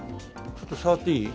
ちょっと触っていい？